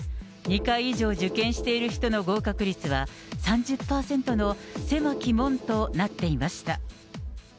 ２回以上受験している人の合格率は、３０％の狭き門となっていました。